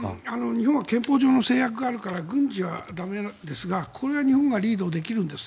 日本は憲法上の制約があるから軍事は駄目なんですがこれは日本がリードできるんです。